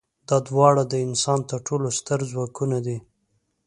دا دواړه د انسان تر ټولو ستر ځواکونه دي.